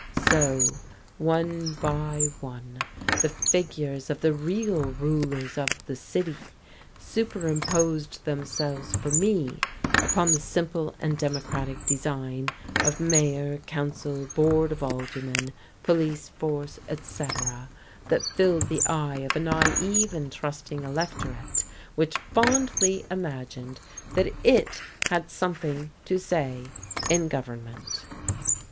So, one by one, the figures of the real rulers of the city superimposed themselves for me upon the simple and democratic design of Mayor, Council, Board of Aldermen, Police Force, etc., that filled the eye of a naive and trusting electorate which fondly imagined that it had something to say in government.